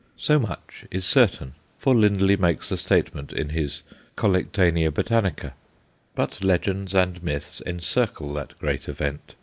So much is certain, for Lindley makes the statement in his Collectanea Botanica. But legends and myths encircle that great event.